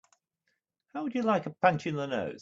How would you like a punch in the nose?